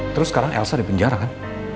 terus sekarang elsa di penjara kan